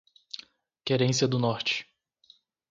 Querência do Norte